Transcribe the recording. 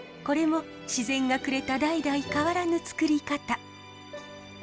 これも自然がくれた代々変わらぬつくり方。